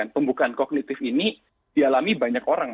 pembukaan kognitif ini dialami banyak orang